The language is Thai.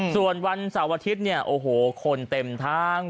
ส่วนวันสุดวันอาทิตย์เนี่ยคนเต็มทาง